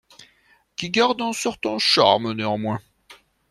Qui garde un certain charme néanmoins.